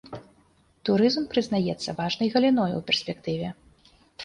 Турызм прызнаецца важнай галіной у перспектыве.